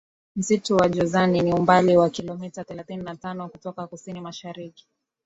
Msitu wa Jozani ni umbali wa kilometa thelathini na tano kutoka kusini mashariki